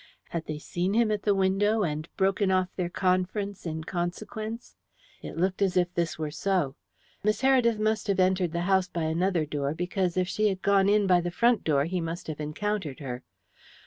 Had they seen him at the window, and broken off their conference in consequence? It looked as if this were so. Miss Heredith must have entered the house by another door, because if she had gone in by the front door he must have encountered her.